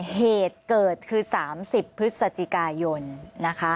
เหตุเกิดคือ๓๐พฤศจิกายนนะคะ